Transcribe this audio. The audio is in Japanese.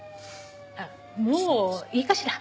もういいかしら？